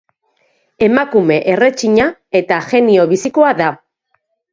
Emakume erretxina eta genio bizikoa da.